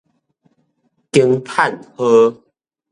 驚嘆號